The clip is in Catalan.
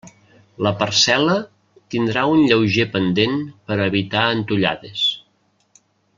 La parcel·la tindrà un lleuger pendent per a evitar entollades.